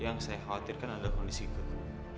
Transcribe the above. yang saya khawatirkan adalah kondisi itu